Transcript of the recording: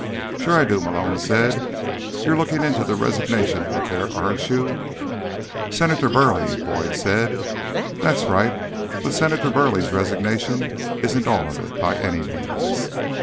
"Sure I do," Malone said. "You're looking into the resignation out there, aren't you?" "Senator Burley," Boyd said. "That's right. But Senator Burley's resignation isn't all of it, by any means."